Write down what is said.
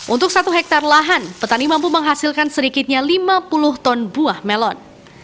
untuk satu hektare lahan petani mampu menghasilkan sedikitnya lima puluh ton buah melon